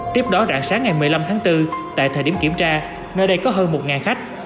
tiếp đó rạng sáng ngày một mươi năm tháng bốn tại thời điểm kiểm tra nơi đây có hơn một khách